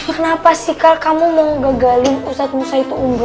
kenapa sih kak kamu mau gagalin ustadz musa itu unggul